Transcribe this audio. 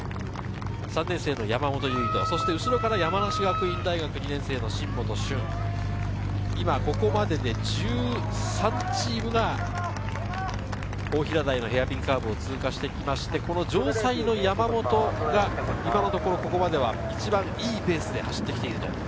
３年生の山本、後ろから山梨学院大学２年生の新本駿、ここまでで１３チームが大平台のヘアピンカーブを通過してきて、城西の山本が、ここまででは一番いいペースで走ってきています。